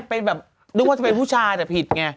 เป็นแบบนึกว่าจะเป็นผู้ชายแต่ผิดไง